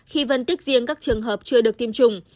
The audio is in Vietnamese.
khi phân tích riêng các trường hợp chưa được tiêm chủng